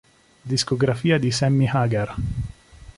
Discografia di Sammy Hagar